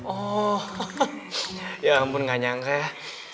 oh ya ampun gak nyangka ya